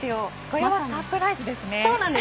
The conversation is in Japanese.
これはサプライズですね。